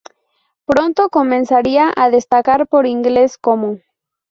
Pronto comenzaría a destacar por singles como.